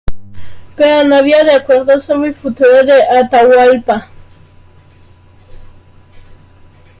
Pero no había acuerdo sobre el futuro de Atahualpa.